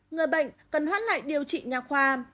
người bệnh cần hoãn lại điều trị nhà khoa